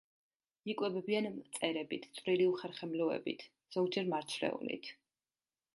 იკვებებიან მწერებით, წვრილი უხერხემლოებით, ზოგჯერ მარცვლეულით.